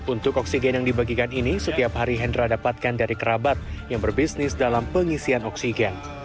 untuk oksigen yang dibagikan ini setiap hari hendra dapatkan dari kerabat yang berbisnis dalam pengisian oksigen